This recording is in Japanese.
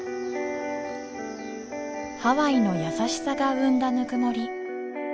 ハワイの優しさが生んだぬくもり